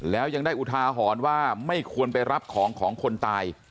แล้วยังได้อุทาหรณ์ว่าไม่ควรไปรับของของคนตาย